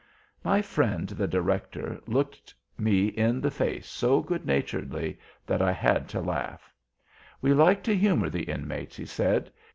My friend, the Director, looked me in the face so good naturedly that I had to laugh. "We like to humor the Inmates," he said.